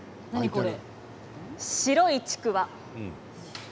白いちくわ。